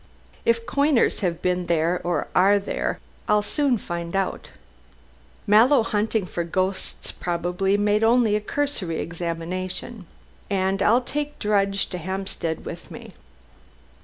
If coiners have been there, or are there, I'll soon find out. Mallow hunting for ghosts, probably, made only a cursory examination. And I'll take Drudge to Hampstead with me."